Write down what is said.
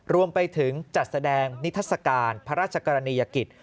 รวมไปถึงจัดแสดงนิทัศกาลพระราชกรณียกิจ